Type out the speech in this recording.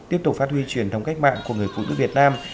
tiếp tục phát huy truyền thống cách mạng của người phụ nữ việt nam